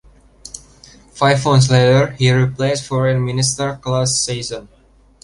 Five months later, he replaced Foreign Minister Claude Cheysson.